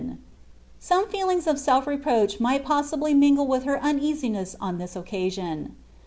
Some feelings of self reproMb mifht possibly mingle with her uneasiness on this occasion.